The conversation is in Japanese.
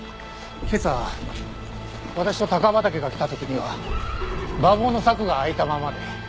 今朝私と高畠が来た時には馬房の柵が開いたままで。